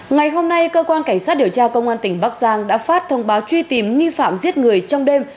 ngày hôm nay cơ quan cảnh sát điều tra công an tỉnh bắc giang đã phát thông báo truy tìm nghi phạm giết người trong đêm